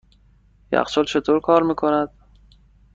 یخچال چطور کار میکند؟